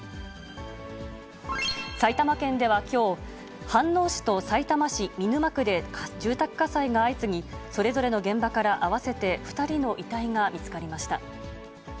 埼玉県ではきょう、飯能市とさいたま市見沼区で住宅火災が相次ぎ、それぞれの現場から合わせて２人の遺体が見つかりました。